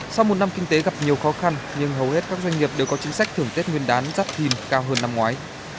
sau một năm kinh tế gặp nhiều khó khăn nhưng hầu hết các doanh nghiệp đều có chính sách thưởng tết nguyên đán giáp thìn cao hơn năm ngoái